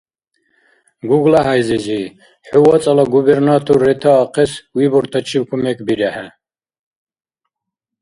ГуглахӀяй-зизи, хӀу вацӀала губернатор ретаахъес выбортачиб кумекбирехӀе.